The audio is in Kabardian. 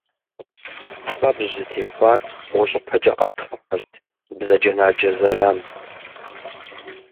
Фэбжь зытехуар гъущӏыпэкӏэ къатхъыхьырт, бзаджэнаджэ зэран.